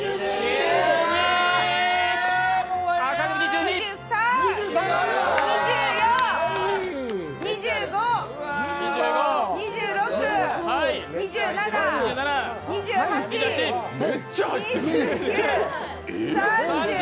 ２３、２４、２５、２６、２７、２８、２９、３０。